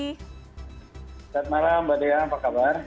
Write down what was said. selamat malam apa kabar